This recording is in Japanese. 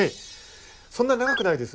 そんなに長くないです